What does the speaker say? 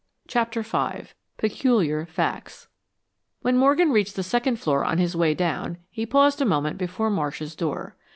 CHAPTER V PECULIAR FACTS When Morgan reached the second floor on his way down, he paused a moment before Marsh's door.